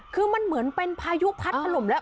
คือมันเหมือนเป็นพายุพัดถล่มแล้ว